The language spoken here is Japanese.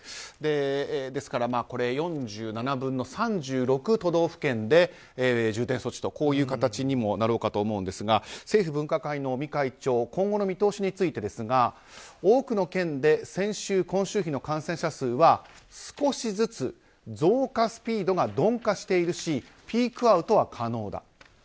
ですから４７分の３６都道府県で重点措置という形になろうかと思いますが政府分科会の尾身会長今後の見通しについてですが多くの県で先週今週比の感染者数は少しずつ増加スピードが鈍化しているしピークアウトは可能だ。